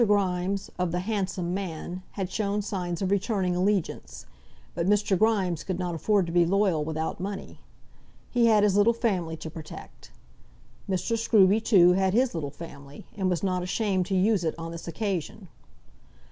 Grimes, of the "Handsome Man," had shown signs of returning allegiance. But Mr. Grimes could not afford to be loyal without money. He had his little family to protect. Mr. Scruby, too, had his little family, and was not ashamed to use it on this occasion.